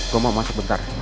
gue mau masuk bentar